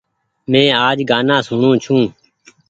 مين آج گآنآ سوڻو ڇون۔